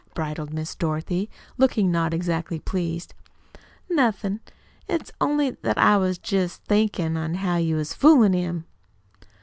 bridled Miss Dorothy, looking not exactly pleased. "Nothin'. It's only that I was jest a thinkin' how you was foolin' him."